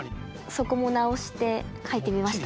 そこも直して描いてみました。